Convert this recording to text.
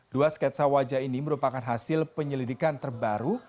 dua sketsa wajah ini merupakan hasil penyelidikan terbaru